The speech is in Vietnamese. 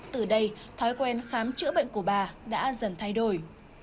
từ đây thói quen khám chữa bệnh của bà đã dần thay đổi